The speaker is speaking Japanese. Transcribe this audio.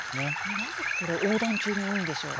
なぜ横断中に多いんでしょうか。